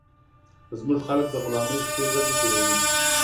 زموږ خلک د غلامۍ شپې ورځي تېروي